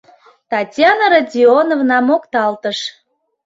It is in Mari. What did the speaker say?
— Татьяна Родионовна мокталтыш.